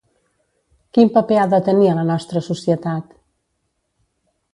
Quin paper ha de tenir a la nostra societat?